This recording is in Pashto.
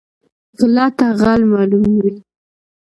غله ته غل معلوم وي